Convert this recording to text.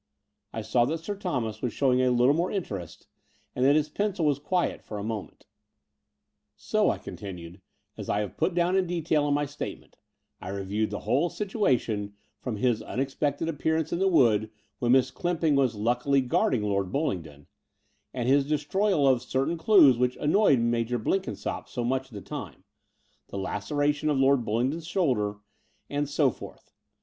I saw that Sir Thomas was showing a little more interest, and that his pencil was quiet for a mo ment. "So," I continued, "as I have put down in detail in my statement, I reviewed the whole situation from his unexpected appearance in the wood when Miss Clymping was luckily guarding Lord Bulling don, and his destroyal of certain dues which annoyed Major Blenkinsopp so much at the time, the laceration of Lord Btdlingdon's shoulder, and so forth.